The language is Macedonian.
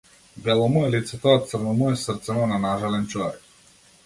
Бело му е лицето, а црно му е срцено на нажален човек.